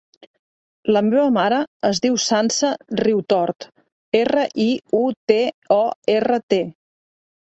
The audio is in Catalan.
La meva mare es diu Sança Riutort: erra, i, u, te, o, erra, te.